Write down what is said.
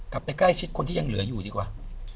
กลับไปใกล้ชิดคนที่ยังเหลืออยู่ดีกว่า